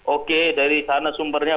oke dari sana sumbernya